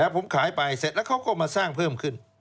ผมขายไปเสร็จแล้วเขาก็มาสร้างเพิ่มขึ้น